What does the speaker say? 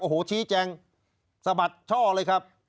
โอ้โหชี้แจงสะบัดช่อเลยครับ